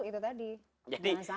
betul itu tadi